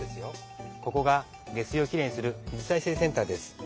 ここが下水をきれいにする水再生センターです。